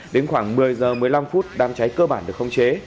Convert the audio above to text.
đến khoảng một mươi h một mươi năm phút đám cháy cơ bản được không chế